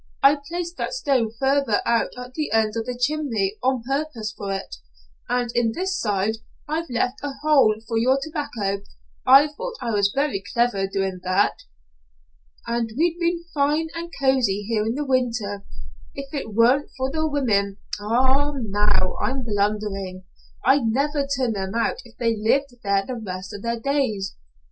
I placed that stone further out at the end of the chimney on purpose for it, and in this side I've left a hole for your tobacco. I thought I was very clever doing that." "And we'd be fine and cozy here in the winter if it wer'n't for the women a a now I'm blundering. I'd never turn them out if they lived there the rest of their days.